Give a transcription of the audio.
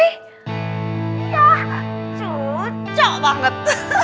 yah cucok banget